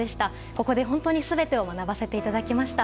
ここで全てを学ばせていただきました。